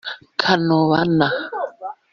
Kanobana